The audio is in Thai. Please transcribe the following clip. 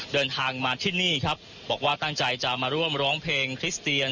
เดินทางมาที่นี่ครับบอกว่าตั้งใจจะมาร่วมร้องเพลงคริสเตียน